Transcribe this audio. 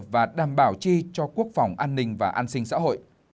và đảm bảo chi cho quốc phòng an ninh và an sinh xã hội